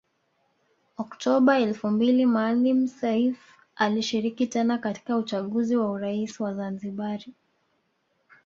Oktoba elfu mbili Maalim Seif alishiriki tena katika uchaguzi wa urais wa Zanzibari